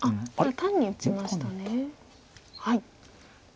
単に打ちましたね。